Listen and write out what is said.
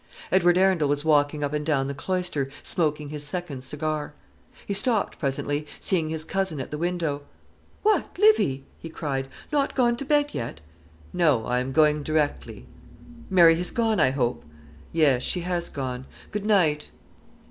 Edward Arundel was walking up and down the cloister, smoking his second cigar. He stopped presently, seeing his cousin at the window. "What, Livy!" he cried, "not gone to bed yet?" "No; I am going directly." "Mary has gone, I hope?" "Yes; she has gone. Good night."